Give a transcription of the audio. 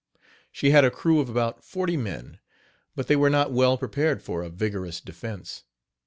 She had a crew of about forty men, but they were not well prepared for a vigorous defense.